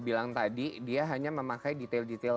bilang tadi dia hanya memakai detail detail